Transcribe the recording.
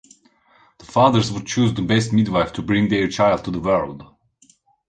The fathers would choose the best midwife to bring their child to the world.